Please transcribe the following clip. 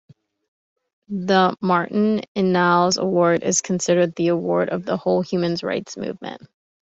The Martin Ennals Award is considered "the" award of the whole human rights movement.